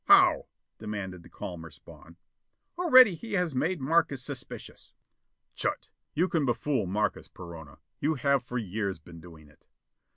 "How?" demanded the calmer Spawn. "Already he has made Markes suspicious." "Chut! You can befool Markes, Perona. You have for years been doing it."